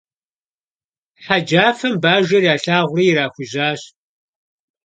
Хьэджафэм Бажэр ялъагъури ирахужьащ.